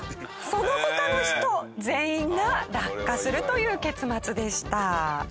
その他の人全員が落下するという結末でした。